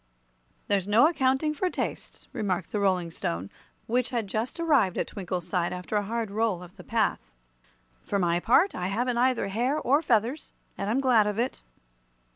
"There's no accounting for tastes," remarked the Rolling Stone, which had just arrived at Twinkle's side after a hard roll up the path. "For my part, I haven't either hair or feathers, and I'm glad of it."